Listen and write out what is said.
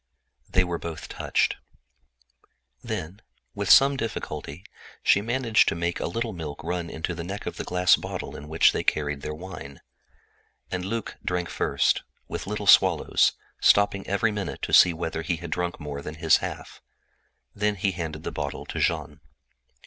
They were both touched. Then with some difficulty, she managed to make a little milk run into the neck of the glass bottle in which they carried their wine. And Luc drank first, with little swallows, stopping every minute to see whether he had drunk more than his half. Then he handed the bottle to Jean.